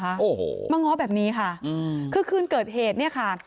โอ้โหมาง้อแบบนี้ค่ะอืมคือคืนเกิดเหตุเนี่ยค่ะ